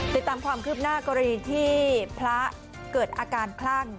ติดตามความคืบหน้ากรณีที่พระเกิดอาการคลั่ง